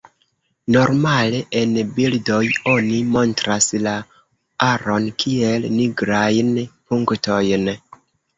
Normale en bildoj, oni montras la aron kiel nigrajn punktojn.